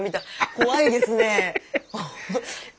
怖いですね。